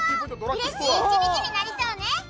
嬉しい１日になりそうね